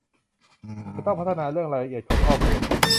แต่ต้องพัฒนาเรื่องรายละเอียดของข้อมูล